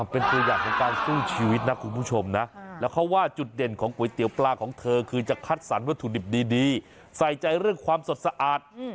เป็นตัวอย่างของการสู้ชีวิตนะคุณผู้ชมนะแล้วเขาว่าจุดเด่นของก๋วยเตี๋ยวปลาของเธอคือจะคัดสรรวัตถุดิบดีใส่ใจเรื่องความสดสะอาด